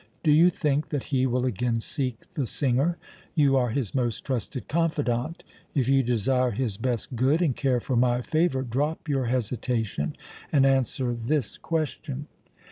Do you think that he will again seek the singer? You are his most trusted confidant. If you desire his best good, and care for my favour, drop your hesitation and answer this question."